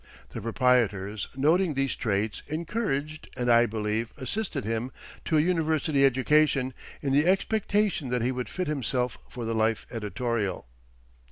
The proprietors, noting these traits, encouraged, and, I believe, assisted him to a university education, in the expectation that he would fit himself for the life editorial.